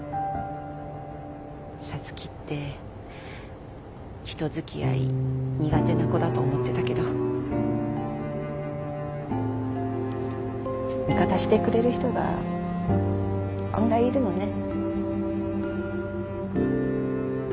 皐月って人づきあい苦手な子だと思ってたけど味方してくれる人が案外いるのね。